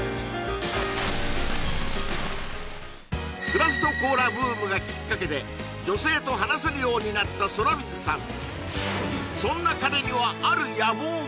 クラフトコーラブームがきっかけで女性と話せるようになった空水さん